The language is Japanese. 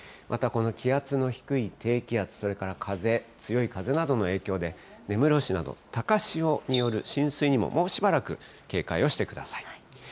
また、この気圧の低い低気圧、それから風、強い風などの影響で、根室市など、高潮による浸水にも、もうしばらく警戒をしてください。